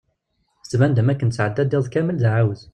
Tettban-d am wakken tesɛedda-d iḍ kamel d aɛawez.